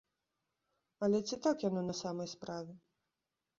Але ці так яно на самай справе?